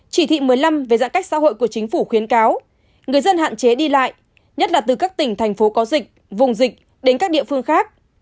chỉ thị một mươi năm về giãn cách xã hội của chính phủ khuyến cáo người dân hạn chế đi lại nhất là từ các tỉnh thành phố có dịch vùng dịch đến các địa phương khác